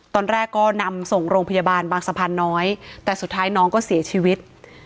ตอนแรกก็นำส่งโรงพยาบาลบางสะพานน้อยแต่สุดท้ายน้องก็เสียชีวิต